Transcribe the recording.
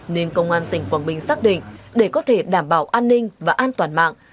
nên công an tỉnh quảng bình xác định để có thể đảm bảo an ninh và an toàn mạng